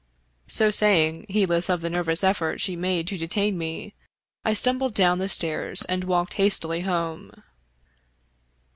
So saying, heedless of the nervous effort she (pade to detain me, I stumbled down the stairs and walked hastily home.